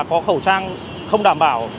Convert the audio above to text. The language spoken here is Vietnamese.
có khẩu trang không đảm bảo